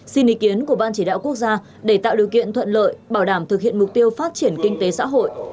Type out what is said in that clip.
xin ý kiến của ban chỉ đạo quốc gia để tạo điều kiện thuận lợi bảo đảm thực hiện mục tiêu phát triển kinh tế xã hội